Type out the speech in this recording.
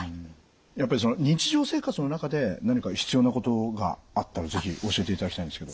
やっぱりその日常生活の中で何か必要なことがあったら是非教えていただきたいんですけど。